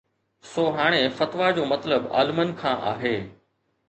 سو هاڻي فتويٰ جو مطلب عالمن کان آهي